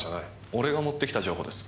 俺が持ってきた情報です。